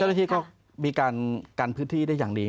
เจ้าหน้าที่ก็มีการกันพื้นที่ได้อย่างดี